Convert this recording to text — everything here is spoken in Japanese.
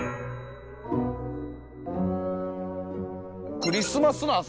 クリスマスの朝。